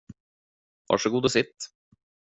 Varsågoda och sitt.